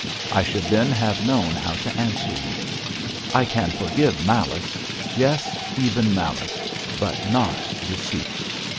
I should then have known how to answer you. I can forgive malice yes, even malice but not deceit.